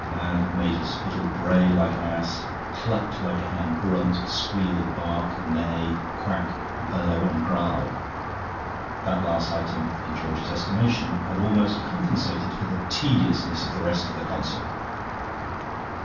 The man had made his fiddle bray like an ass, cluck like a hen, grunt, squeal, bark, neigh, quack, bellow, and growl; that last item, in George's estimation, had almost compensated for the tediousness of the rest of the concert.